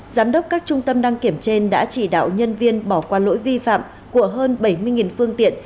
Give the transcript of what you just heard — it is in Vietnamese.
giám đốc các trung tâm đăng kiểm trên đã chỉ đạo nhân viên bỏ qua lỗi vi phạm của hơn bảy mươi phương tiện